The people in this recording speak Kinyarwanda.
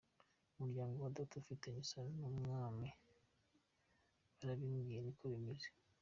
Umuryango wa Data ufitanye isano n’ibwami, barabimbwiye niko bimeze.